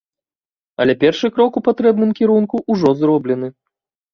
Але першы крок у патрэбным кірунку ўжо зроблены.